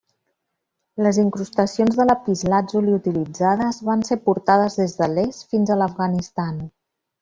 Les incrustacions de lapislàtzuli utilitzades van ser portades des de l'est fins a l'Afganistan.